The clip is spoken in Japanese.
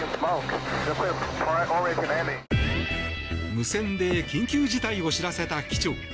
無線で緊急事態を知らせた機長。